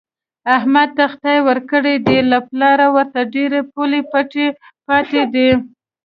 احمد ته خدای ورکړې ده، له پلاره ورته ډېر پوله پټی پاتې دی.